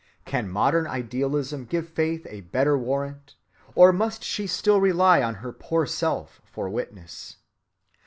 Can modern idealism give faith a better warrant, or must she still rely on her poor self for witness?